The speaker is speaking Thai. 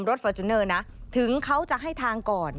ฟอร์จูเนอร์นะถึงเขาจะให้ทางก่อน